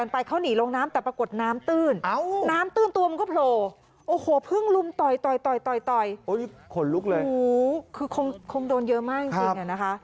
ต่อยต่อยเขาหัวหนึ่งลุกเลยคือคงโดนเยอะมากจริงนะครับนะคะ